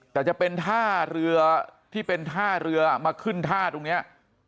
แต่จะเป็นท่าเรือที่เป็นท่าเรือมาขึ้นท่าตรงนี้